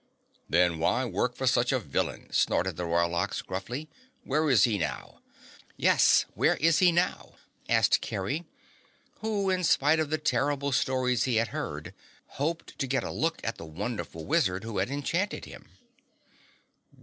"Then why work for such a villain?" snorted the Royal Ox gruffly. "Where is he now?" "Yes, where is he now?" asked Kerry, who in spite of the terrible stories he had heard, hoped to get a look at the wonderful wizard who had enchanted him.